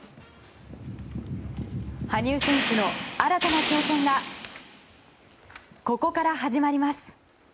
羽生結弦選手の新たな挑戦がここから始まります。